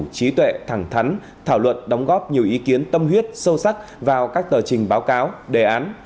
trí tuệ thẳng thắn thảo luận đóng góp nhiều ý kiến tâm huyết sâu sắc vào các tờ trình báo cáo đề án